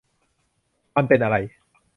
มันเป็นอะไร